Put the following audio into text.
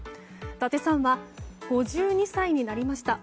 伊達さんは５２歳になりました。